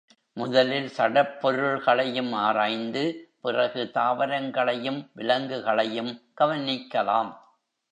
முதலில் சடப்பொருள்களையும் ஆராய்ந்து, பிறகு தாவரங்களையும் விலங்குகளையும் கவனிக்கலாம்.